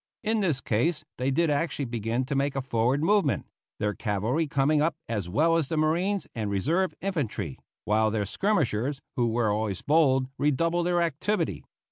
In this case they did actually begin to make a forward movement, their cavalry coming up as well as the marines and reserve infantry,* while their skirmishers, who were always bold, redoubled their activity.